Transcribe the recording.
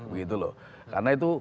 begitu loh karena itu